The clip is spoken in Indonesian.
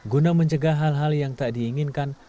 guna mencegah hal hal yang tak diinginkan